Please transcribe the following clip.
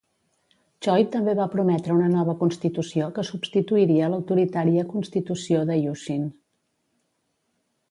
Choi també va prometre una nova constitució que substituiria l'autoritària constitució de Yushin.